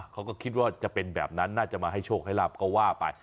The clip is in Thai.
เขาก็คิดว่าจะเป็นแบบนั้นน่าจะมาให้โชคให้ลาบก็ว่าไป